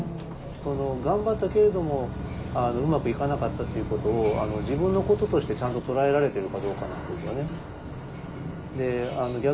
頑張ったけれどもうまくいかなかったっていうことを自分のこととしてちゃんと捉えられてるかどうかなんですよね。